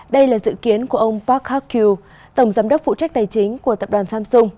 đây là dự kiến của ông park hak kyu tổng giám đốc phụ trách tài chính của tập đoàn samsung